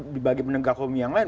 nah dibagi penegak hukum yang lain